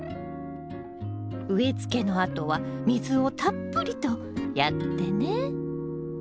植えつけのあとは水をたっぷりとやってね。